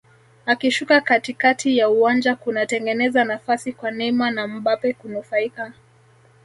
Akishuka katikati ya uwanja kunatengeza nafasi kwa Neymar na Mbappe kunufaika